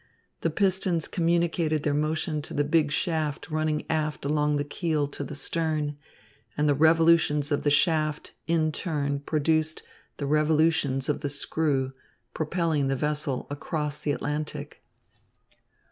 The pistons communicated their motion to the big shaft running aft along the keel to the stern, and the revolutions of the shaft in turn produced the revolutions of the screw propelling the vessel across the Atlantic.